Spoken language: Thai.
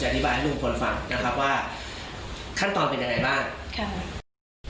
เดี๋ยวผมจะอธิบายให้ลูกคุณฟังนะครับว่าขั้นตอนเป็นอย่างไรบ้าง